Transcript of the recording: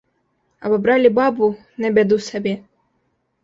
Абабралі бабу на бяду сабе.